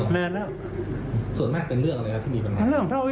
ไม่ได้ตั้งใจยิงนะครับ